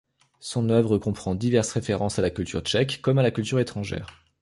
Son œuvre comprend diverses références à la culture tchèque comme à la culture étrangère.